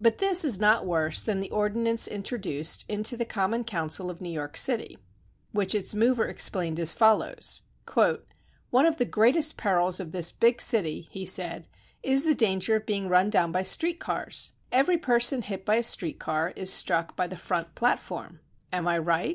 But this is not worse than the ordinance introduced into the common council of New York City, which its mover explained as fol lows :One of the greatest perils of this big city," he said, is the danger of being run down by street cars. Every person hit by a street car is struck by the front plat form. Am I right?